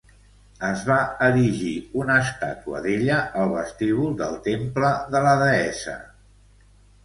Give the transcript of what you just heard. Es va erigir una estàtua d'ella al vestíbul del temple de la deessa.